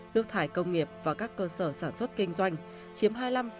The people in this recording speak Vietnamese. nước thải công nghiệp và các cơ sở sản xuất kinh doanh chiếm hai mươi năm bảy mươi hai